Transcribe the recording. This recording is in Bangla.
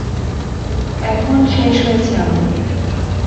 এখন শেষ হয়েছে আমার।